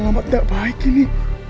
alamat tidak baik ini